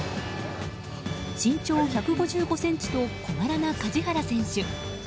身長１５５ｃｍと小柄な梶原選手。